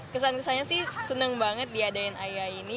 kesan kesannya sih senang banget diadain aya ini